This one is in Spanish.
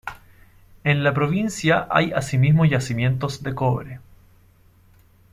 En la provincia hay asimismo yacimientos de cobre.